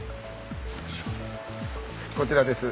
こちらです。